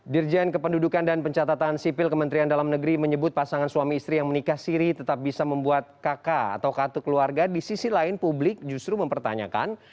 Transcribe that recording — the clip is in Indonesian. dirjen kependudukan dan pencatatan sipil kementerian dalam negeri menyebut pasangan suami istri yang menikah siri tetap bisa membuat kakak atau kartu keluarga di sisi lain publik justru mempertanyakan